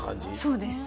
そうです。